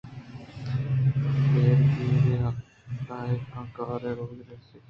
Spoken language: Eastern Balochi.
بٛیر گِیری دہقان کارےءَ روباہے ءَ سکّ زہر اَت